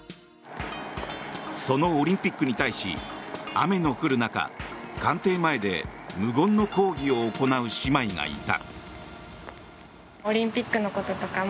そのオリンピックに対し雨の降る中官邸前で無言の抗議を行う姉妹がいた。